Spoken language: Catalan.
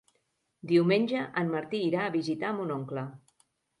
Diumenge en Martí irà a visitar mon oncle.